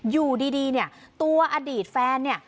อยู่ดีเนี่ยตัวอดีตแฟนเนี่ย